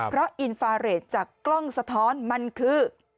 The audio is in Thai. เพราะอินฟาเรทจากกล้องสะท้อนมันคือ